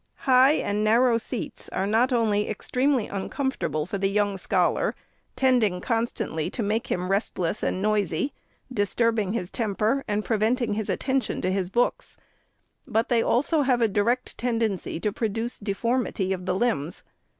High and narrow seats are not only extremely uncomfortable for the young scholar, tending constantly to make him restless and noisy, dis turbing his temper, and preventing his attention to his books, but they have also a direct tendency to produce deformity of the limbs.